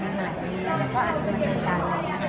ก็อาจจะมีการ